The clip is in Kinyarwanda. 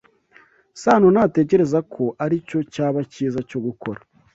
Sano ntatekereza ko aricyo cyaba cyiza cyo gukora.